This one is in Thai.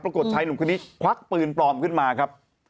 ชายหนุ่มคนนี้ควักปืนปลอมขึ้นมาครับ